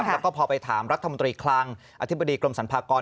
แล้วก็พอไปถามรัฐมนตรีคลังอธิบดีกรมสรรพากร